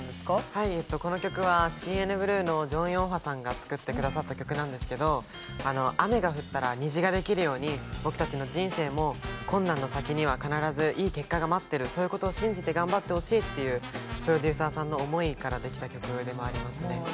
はいこの曲はＣＮＢＬＵＥのジョン・ヨンファさんが作ってくださった曲なんですけど雨が降ったら虹ができるように僕達の人生も困難の先には必ずいい結果が待ってるそういうことを信じて頑張ってほしいっていうプロデューサーさんの思いからできた曲でもありますね